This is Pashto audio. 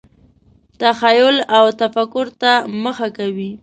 تخیل او تفکر ته مخه کوي.